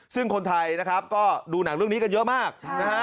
ซึ่งคนไทยนะครับก็ดูหนังเรื่องนี้กันเยอะมากนะฮะ